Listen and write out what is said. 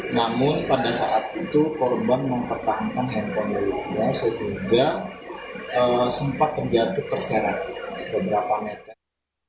namun pada saat itu korban mempertahankan handphone miliknya sehingga sempat terjatuh terserak beberapa meter